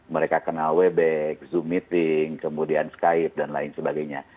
mereka kenal webex zoom meeting kemudian skype dan lain sebagainya